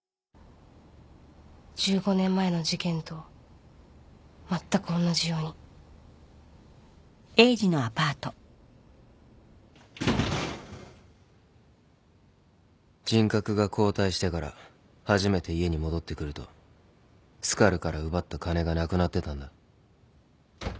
１５年前の事件とまったくおんなじように人格が交代してから初めて家に戻ってくるとスカルから奪った金がなくなってたんだ。